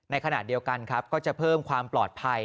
ในขณะเดียวกันครับก็จะเพิ่มความปลอดภัย